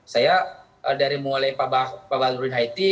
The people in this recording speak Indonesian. saya dari mulai pak badruin haiti